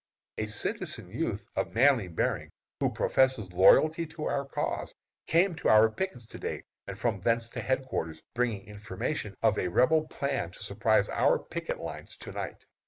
A citizen youth, of manly bearing, who professes loyalty to our cause, came to our pickets to day, and from thence to headquarters, bringing information of a Rebel plan to surprise our picket lines to night.